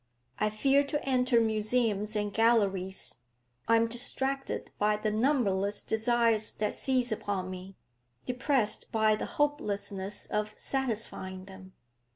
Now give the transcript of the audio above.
I fear to enter museums and galleries; I am distracted by the numberless desires that seize upon me, depressed by the hopelessness of satisfying them.